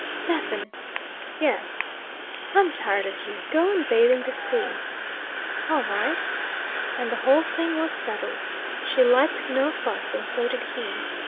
"Stephen!" "Yes." "I'm tired of you. Go and bathe in the sea." "All right." And the whole thing was settled. She liked no fuss, and so did he.